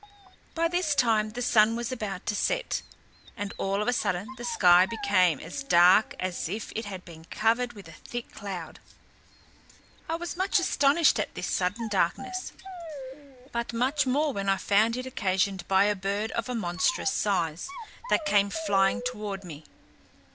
By this time the sun was about to set, and all of a sudden the sky became as dark as if it had been covered with a thick cloud. I was much astonished at this sudden darkness, but much more when I found it occasioned by a bird of a monstrous size, that came flying toward me.